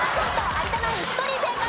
有田ナイン１人正解。